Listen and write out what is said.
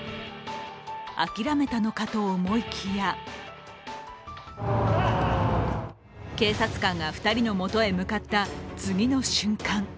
あきらめたのかと思いきや警察官が２人のもとへ向かった次の瞬間